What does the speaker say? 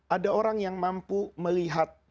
ada orang yang mampu melihat